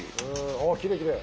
おきれいきれい。